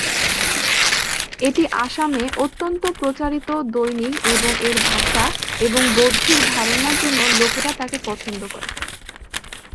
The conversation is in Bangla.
এটি আসামে অত্যন্ত প্রচারিত দৈনিক এবং এর ভাষা এবং বৌদ্ধিক ধারণার জন্য লোকেরা তাকে পছন্দ করে।